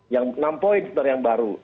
yang enam poin besar yang baru